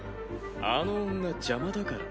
あの女邪魔だから。